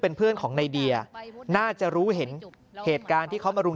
เป็นเพื่อนของในเดียน่าจะรู้เห็นเหตุการณ์ที่เขามารุม